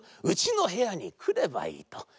うちのへやにくればいいと。